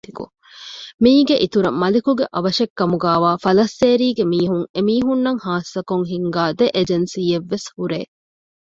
މީގެ އިތުރަށް މަލިކުގެ އަވަށެއްކަމުގައިވާ ފަލައްސޭރީގެ މީހުން އެމީހުންނަށް ޚާއްސަކޮށް ހިންގާ ދެ އެޖެންސީއެއްވެސް ހުރޭ